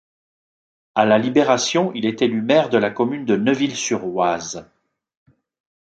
À la libération, il est élu maire de la commune de Neuville-sur-Oise.